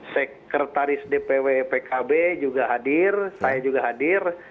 sekretaris dpw pkb juga hadir saya juga hadir